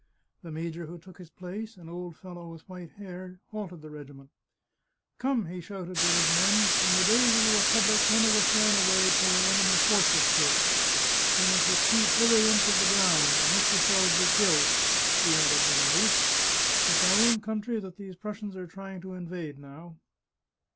The major who took his place, an old fellow with white hair, halted the regiment. " Come," he shouted to his men, " in the days of the Republic none of us ran away till the enemy forced us to it. You must dispute every inch of the ground, and let yourselves be killed !" he added with an oath. " It's our own country that these Prussians are trying to invade now."